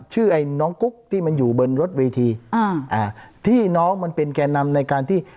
ไอ้น้องกุ๊กที่มันอยู่บนรถเวทีอ่าอ่าที่น้องมันเป็นแก่นำในการที่